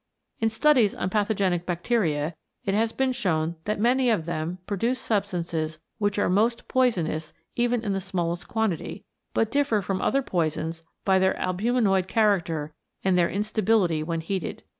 In studies on pathogenic bacteria it has been shown that many of them produce substances which are most poisonous even in the smallest quantity, but differ from other poisons by their albuminoid character and their instability when heated.